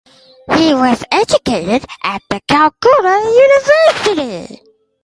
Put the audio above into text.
He was educated at the Calcutta University.